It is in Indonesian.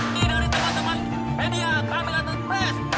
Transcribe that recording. dari teman teman media kami